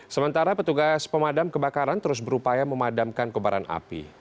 sementara petugas pemadam kebakaran terus berupaya memadamkan kebaran api